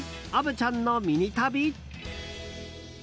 虻ちゃんのミニ旅。